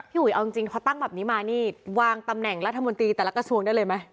อุ๋ยเอาจริงพอตั้งแบบนี้มานี่วางตำแหน่งรัฐมนตรีแต่ละกระทรวงได้เลยไหม